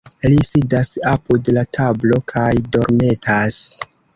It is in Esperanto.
Li sidas apud la tablo kaj dormetas.